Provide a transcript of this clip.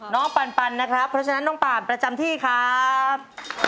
ปันนะครับเพราะฉะนั้นน้องปานประจำที่ครับ